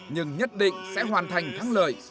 nhưng nhất định sẽ hoàn thành thắng lợi